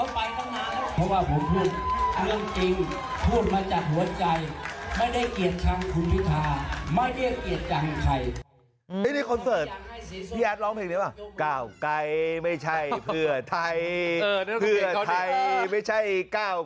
ผมก็เบื่อผมก็บอกแล้วไปไล่ผมไล่เขาไปตั้งนานแล้ว